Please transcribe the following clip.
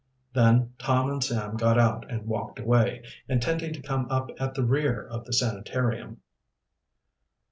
Then Tom and Sam got out and walked away, intending to come up at the rear of the sanitarium.